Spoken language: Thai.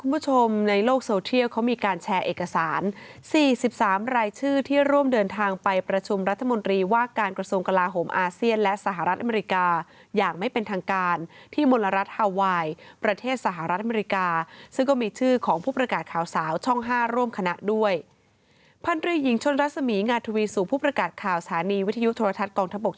เป็นเรื่องของภาพประจักรสังคมและสื่อบัญชนร่วมกันตรวจสอบ